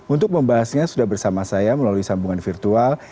untuk membahasnya sudah bersama saya melalui sambungan virtual